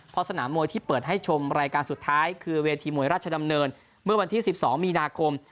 เพราะสนามมวยที่เปิดให้ชมรายการสุดท้ายคือเวทีมวยราชดำเนินเมื่อวันที่๑๒มีนาคม